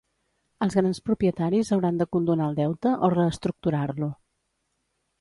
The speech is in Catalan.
Els grans propietaris hauran de condonar el deute o reestructurar-lo.